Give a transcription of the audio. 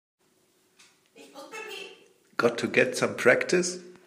Got to get some practice.